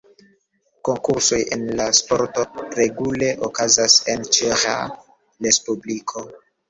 Konkursoj en la sporto regule okazas en Ĉeĥa respubliko.